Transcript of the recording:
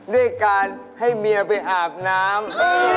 ด้วยการให้เมียไปอาบน้ำ